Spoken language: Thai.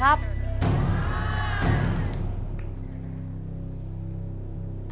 ฮาวะละพร้อม